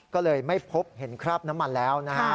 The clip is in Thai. ก็เลยไม่พบเห็นคราบน้ำมันแล้วนะฮะ